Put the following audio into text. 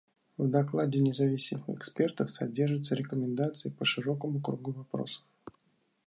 В докладе независимых экспертов содержатся рекомендации по широкому кругу вопросов.